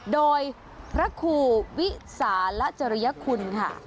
โดยพระครูวิสารจริยคุณค่ะ